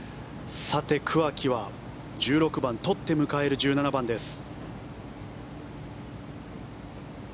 桑木は１６番取って迎える１７番です。